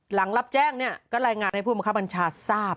หลังรับแจ้งเนี่ยก็รายงานให้ผู้บังคับบัญชาทราบ